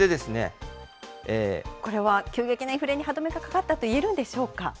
これは急激なインフレに歯止めがかかったといえるんでしょうか。